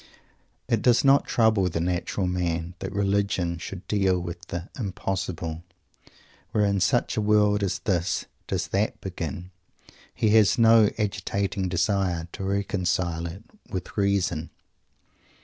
It does not trouble the natural man that Religion should deal with "the Impossible." Where, in such a world as this, does that begin? He has no agitating desire to reconcile it with reason.